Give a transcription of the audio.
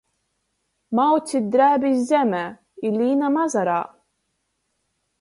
Maucit drēbis zemē i līnam azarā!